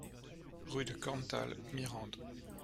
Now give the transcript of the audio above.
Rue de Korntal, Mirande